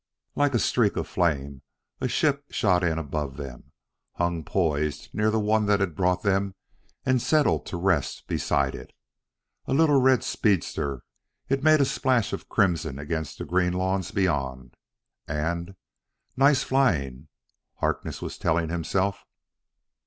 Like a streak of flame a ship shot in above them; hung poised near the one that had brought them and settled to rest beside it. A little red speedster, it made a splash of crimson against the green lawns beyond. And, "Nice flying," Harkness was telling himself.